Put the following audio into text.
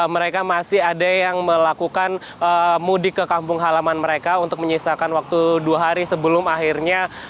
mereka masih ada yang melakukan mudik ke kampung halaman mereka untuk menyisakan waktu dua hari sebelum akhirnya